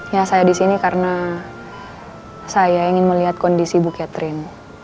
ya saya di sini karena saya ingin melihat kondisi bu catherine